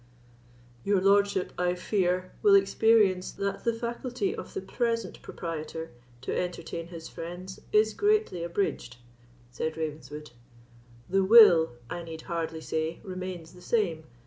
"Your lordship, I fear, will experience that the faculty of the present proprietor to entertain his friends is greatly abridged," said Ravenswood; "the will, I need hardly say, remains the same.